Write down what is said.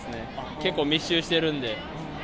結構密集してるんで。